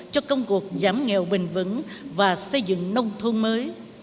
cho công cuộc giảm nghèo bình vững và xây dựng nông thôn mới